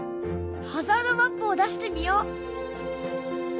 ハザードマップを出してみよう！